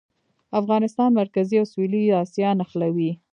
افغانستان مرکزي او سویلي اسیا نښلوي